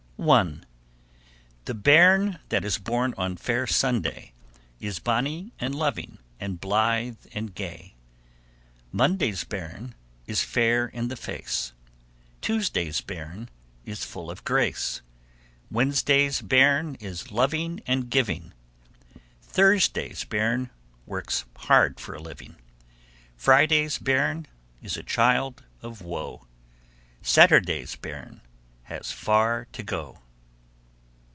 1. The bairn that is born on fair Sunday Is bonny and loving, and blithe and gay. Monday's bairn is fair in the face, Tuesday's bairn is full of grace, Wednesday's bairn is loving and giving, Thursday's bairn works hard for a living, Friday's bairn is a child of woe, Saturday's bairn has far to go.